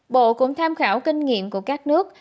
bộ cũng tham khảo kinh nghiệm của các nước